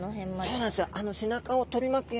そうなんですよ。